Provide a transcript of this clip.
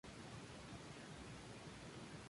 El cambio del traje lo diseñó el mismo Peñaherrera.